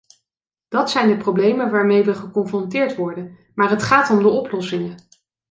Dat zijn de problemen waarmee we geconfronteerd worden maar het gaat om de oplossingen.